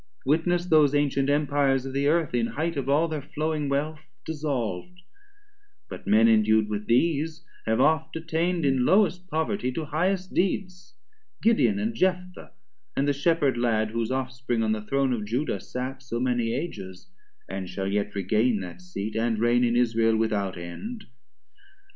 Witness those antient Empires of the Earth, In highth of all thir flowing wealth dissolv'd: But men endu'd with these have oft attain'd In lowest poverty to highest deeds; Gideon and Jephtha, and the Shepherd lad, Whose off spring on the Throne of Juda sat 440 So many Ages, and shall yet regain That seat, and reign in Israel without end.